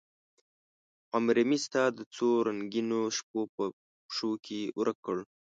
عمرمې ستا د څورنګینوشپو په پښوکې ورک کړ